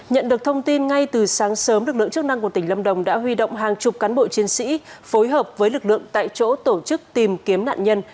nhận được thông tin ngay từ sáng sớm lực lượng chức năng của tỉnh lâm đồng đã huy động hàng chục cán bộ chiến sĩ phối hợp với lực lượng tại chỗ tổ chức tìm kiếm nạn nhân